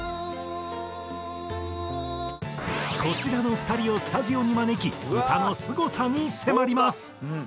こちらの２人をスタジオに招き歌のすごさに迫ります！